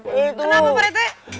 kenapa pak rt